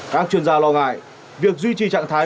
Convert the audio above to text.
các chuyên gia lo ngại việc duy trì trạng thái